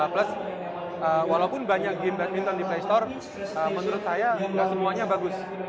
plus walaupun banyak game badminton di playstore menurut saya tidak semuanya bagus